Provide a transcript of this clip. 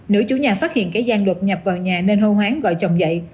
nữ chủ nhà phát hiện cái gian đột nhập vào nhà nên hô hoán gọi chồng dậy